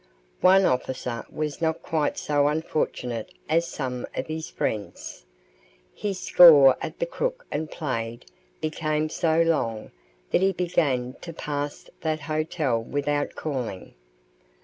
One officer was not quite so unfortunate as some of his friends. His score at the Crook and Plaid became so long that he began to pass that hotel without calling.